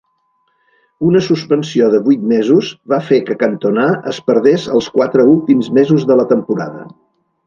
Una suspensió de vuit mesos va fer que Cantona es perdés els quatre últims mesos de la temporada.